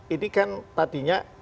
ini kan tadinya